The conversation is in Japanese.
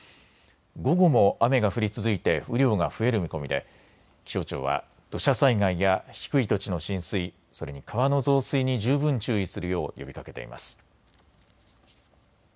午後も雨が降り続いて雨量が増える見込みで気象庁は土砂災害や低い土地の浸水、それに川の増水に十分注意するよう呼びかけています。